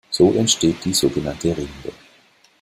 So entsteht die sogenannte Rinde.